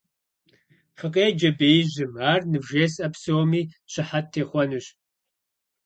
Фыкъеджэ беижьым: ар нывжесӀэ псоми щыхьэт техъуэнущ.